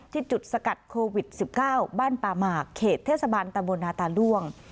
จุดสกัดโควิด๑๙บ้านป่าหมากเขตเทศบาลตะบนนาตาล่วง